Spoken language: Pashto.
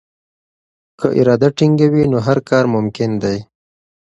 که اراده ټینګه وي نو هر کار ممکن دی.